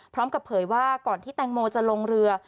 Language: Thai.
พร้อมกับเผยว่าก่อนที่แตงโมจะลงเรือ